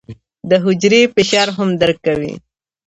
دا حجرې فشار هم درک کوي.